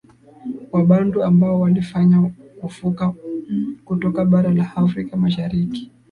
Wabantu ambao walifanya kuvuka kutoka bara la Afrika Mashariki